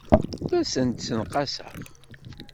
Ur asent-d-ssenqaseɣ.